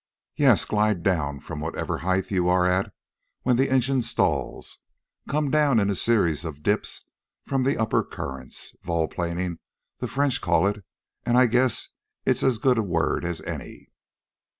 "Yes, glide down from whatever height you are at when the engine stalls. Come down in a series of dips from the upper currents. Vol planing, the French call it, and I guess it's as good a word as any."